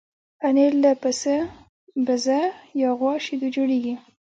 پنېر له پسه، بزه یا غوا شیدو جوړېږي.